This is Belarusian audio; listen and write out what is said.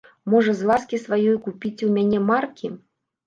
Можа, з ласкі сваёй купіце ў мяне маркі?